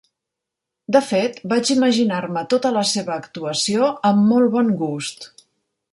De fet, vaig imaginar-me tota la seva actuació amb molt bon gust.